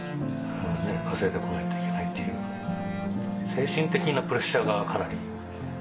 精神的なプレッシャーがかなり。